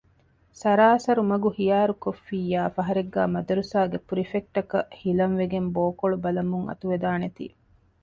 ސަރާސަރު މަގު ޚިޔާރުކޮށްފިއްޔާ ފަހަރެއްގައި މަދުރަސާގެ ޕުރިފެކްޓަކަށް ހިލަން ވެގެން ބޯކޮޅު ބަލަމުން އަތުވެދާނެ ތީ